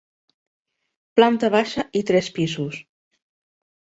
Planta baixa i tres pisos.